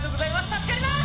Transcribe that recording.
助かります。